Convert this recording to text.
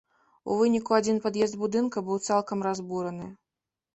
У выніку адзін пад'езд будынка быў цалкам разбураны.